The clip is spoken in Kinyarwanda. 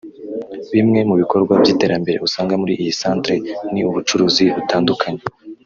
Bimwe mu bikorwa b’yiterambere usanga muri iyi santire ni ubucuruzi butandukanye